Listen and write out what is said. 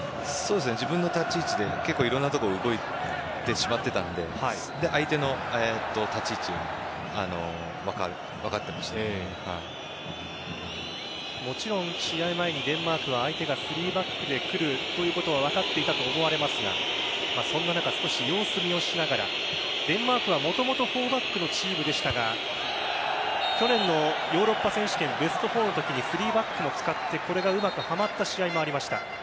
自分の立ち位置でいろんなところに動いてしまってたので相手の立ち位置をもちろん試合前にデンマークは相手が３バックで来るということは分かっていたと思われますがそんな中少し様子見をしながらデンマークはもともと４バックのチームでしたが去年のヨーロッパ選手権ベスト４のときに３バックも使ってうまくはまった試合もありました。